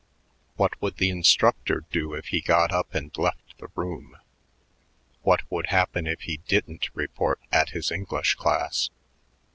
What would the instructor do if he got up and left the room? What would happen if he didn't report at his English class?